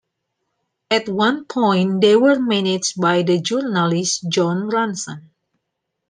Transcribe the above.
At one point they were managed by the journalist Jon Ronson.